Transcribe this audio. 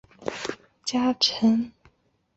里见氏家臣。